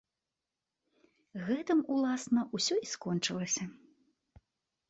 Гэтым, уласна, усё і скончылася.